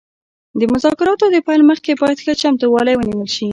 د مذاکراتو د پیل مخکې باید ښه چمتووالی ونیول شي